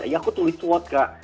ya aku tulis suatu kak